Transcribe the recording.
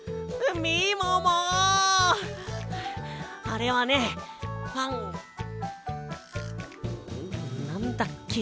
あれはね「ファン」なんだっけ？